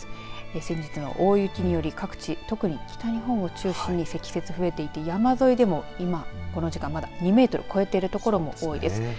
先日の大雪により各地、特に北日本を中心に積雪増えていて山沿いでも今この時間まだ２メートル超えてる所も多いです。